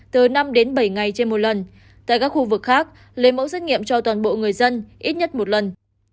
từ năm đến bảy ngày trên một lần tại các khu vực khác lấy mẫu xét nghiệm cho toàn bộ người dân ít nhất một lần